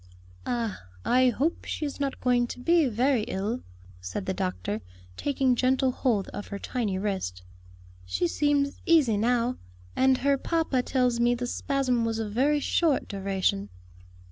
"Ah, I hope she is not going to be very ill," said the doctor, taking gentle hold of her tiny wrist. "She seems easy now, and her papa tells me the spasm was of very short duration."